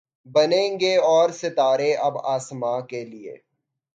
بنیں گے اور ستارے اب آسماں کے لیے